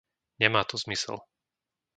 Nemá to zmysel.